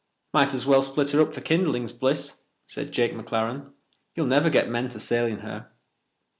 "Might as well split her up for kindlings, Bliss," said Jake McLaren. "You'll never get men to sail in her.